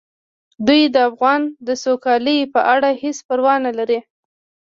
دوی د افغان د سوکالۍ په اړه هیڅ پروا نه لري.